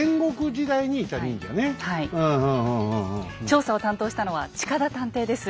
調査を担当したのは近田探偵です。